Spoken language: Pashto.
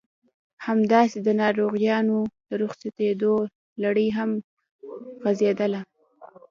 همداسې د ناروغانو د رخصتېدو لړۍ هم غزېدله.